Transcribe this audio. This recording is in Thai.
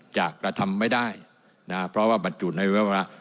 จากรธรรมไม่ได้นะครับเพราะว่าบัตรอยู่ในระเบียบวัลละ